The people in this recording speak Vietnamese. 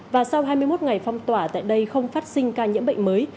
và sau hai mươi một ngày phong tỏa tại đây không phát sinh ca nhiễm bệnh mới